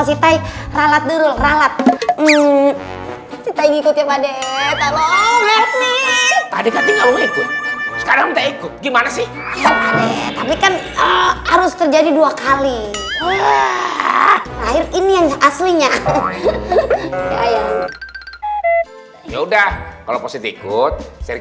kita ikut gimana sih harus terjadi dua kali ini yang aslinya ya udah kalau ikut